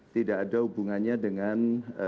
tidak ada hubungannya dengan